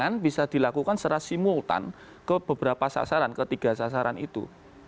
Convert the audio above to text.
kemudian bisa dilakukan secara simultan ke beberapa sasaran ketiga sasaran itu